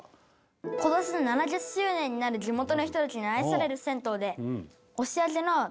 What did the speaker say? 今年で７０周年になる地元の人たちに愛される銭湯で押上の所で。